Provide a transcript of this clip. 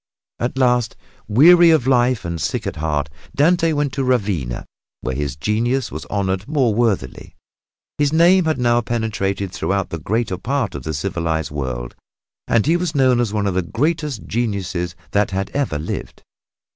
At last, weary of life and sick at heart, Dante went to Ravenna, where his genius was honored more worthily. His name had now penetrated throughout the greater part of the civilized world and he was known as one of the greatest geniuses that had ever lived.